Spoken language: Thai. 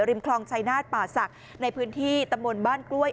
คลองชายนาฏป่าศักดิ์ในพื้นที่ตำบลบ้านกล้วย